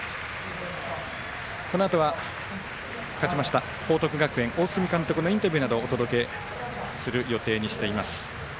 このあとは勝ちました報徳学園大角監督のインタビューなどお届けする予定にしています。